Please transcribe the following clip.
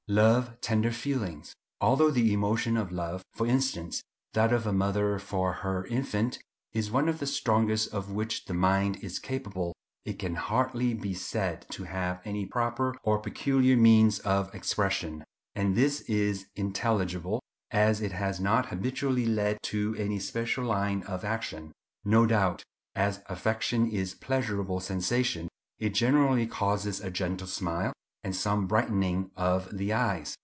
Love, tender feelings, &c.—Although the emotion of love, for instance that of a mother for her infant, is one of the strongest of which the mind is capable, it can hardly be said to have any proper or peculiar means of expression; and this is intelligible, as it has not habitually led to any special line of action. No doubt, as affection is a pleasurable sensation, it generally causes a gentle smile and some brightening of the eyes.